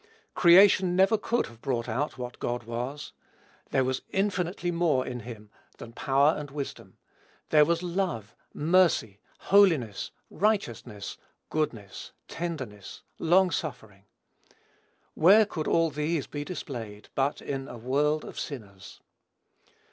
Creation never could have brought out what God was. There was infinitely more in him than power and wisdom. There was love, mercy, holiness, righteousness, goodness, tenderness, long suffering. Where could all these be displayed, but in a world of sinners?